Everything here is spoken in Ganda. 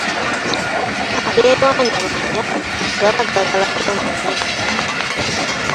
Agerwanyalwanya, gaba gaagala kuluma nnyini nnyama.